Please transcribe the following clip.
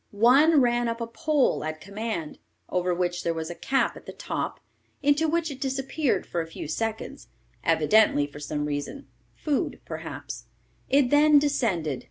One ran up a pole at command, over which there was a cap at the top, into which it disappeared for a few seconds, evidently for some reason, food perhaps. It then descended.